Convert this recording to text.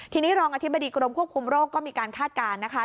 ทีนี้รองอธิบดีกรมควบคุมโรคก็มีการคาดการณ์นะคะ